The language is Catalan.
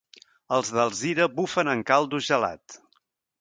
Els d'Alzira bufen en caldo gelat.